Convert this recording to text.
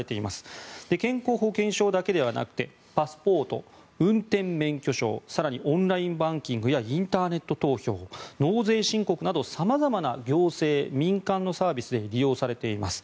健康保険証だけではなくてパスポート、運転免許証更にオンラインバンキングやインターネット投票納税申告など様々な行政・民間のサービスで利用されています。